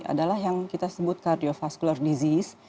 adalah yang kita sebut kardiofaskular disease